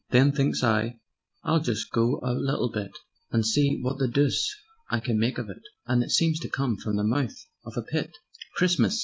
Then thinks I: 'I'll just go a little bit, And see wot the doose I can make of it,' And it seemed to come from the mouth of a pit: 'Christmas!'